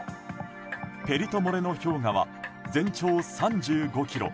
ペリト・モレノ氷河は全長３５ｋｍ